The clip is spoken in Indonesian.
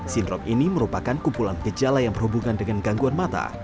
sindrom ini merupakan kumpulan gejala yang berhubungan dengan gangguan mata